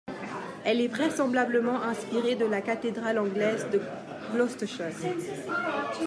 Elle est vraisemblablement inspirée de la cathédrale anglaise de Gloucester.